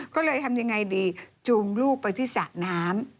ก็เลยทำยังไงดีจูงลูกไปที่สระน้ำ